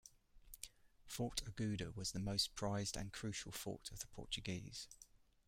Fort Aguada was the most prized and crucial fort of Portuguese.